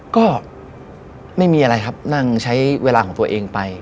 ก็ไม่มีอะไรครับนั่งใช้เวลาของตัวเองไป